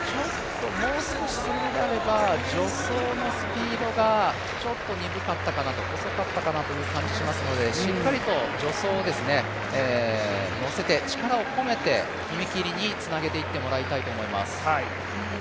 もう少し反りがあれば、助走のスピードが遅かったかなという気がしますのでしっかりと助走をのせて、力を込めて、踏み切りにつなげていってもらいたいと思います。